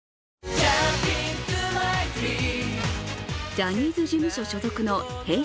ジャニーズ事務所所属のＨｅｙ！